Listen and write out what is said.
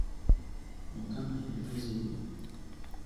Mukama yeebazibwe!